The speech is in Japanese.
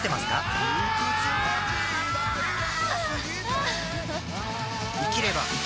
はぁ！